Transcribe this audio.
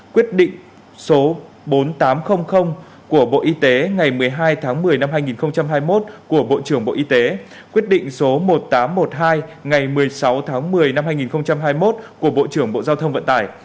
quyết định số bốn nghìn tám trăm linh của bộ y tế ngày một mươi hai tháng một mươi năm hai nghìn hai mươi một của bộ trưởng bộ y tế quyết định số một nghìn tám trăm một mươi hai ngày một mươi sáu tháng một mươi năm hai nghìn hai mươi một của bộ trưởng bộ giao thông vận tải